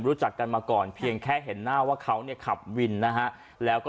รู้จักกันมาก่อนเพียงแค่เห็นหน้าว่าเขาเนี่ยขับวินนะฮะแล้วก็